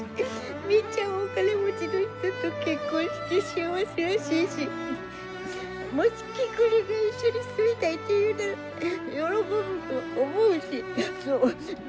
みっちゃんはお金持ちの人と結婚して幸せらしいしもしキクリンが一緒に住みたいって言うたら喜ぶと思うしそう。